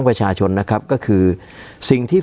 การแสดงความคิดเห็น